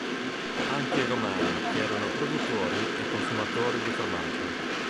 Anche i Romani erano produttori e consumatori di formaggio.